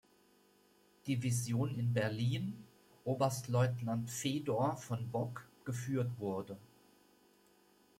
Division in Berlin, Oberstleutnant Fedor von Bock, geführt wurde.